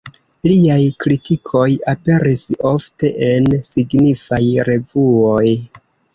Liaj kritikoj aperis ofte en signifaj revuoj.